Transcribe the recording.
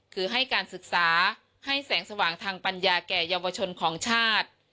คือให้การศึกษาให้แสงสว่างทางปัญญาแก่เยาวชนของชาติ